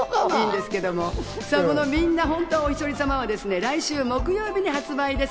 『みんな、本当はおひとりさま』は来週木曜日に発売です。